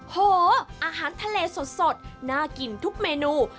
โหอาหารทะเลสดน่ากินทุกเมนู